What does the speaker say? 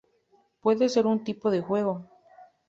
Puede ser un tipo de juego.